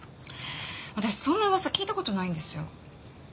私そんな噂聞いた事ないんですよ。